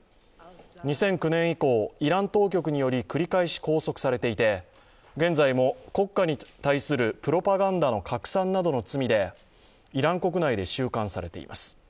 ２００９年以降、イラン当局により繰り返し拘束されていて現在も国家に対するプロパガンダの拡散などの罪でイラン国内で収監されています。